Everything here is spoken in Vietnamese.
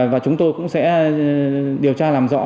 và chúng tôi cũng sẽ điều tra làm rõ